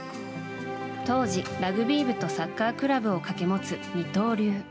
当時、ラグビー部とサッカークラブをかけ持つ二刀流。